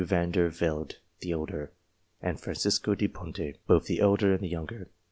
Van der Velde the elder ; and Francesco da Ponte, both the elder and the younger.